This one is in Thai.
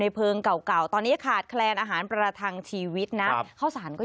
เพลิงเก่าเก่าตอนนี้ขาดแคลนอาหารประทังชีวิตนะข้าวสารก็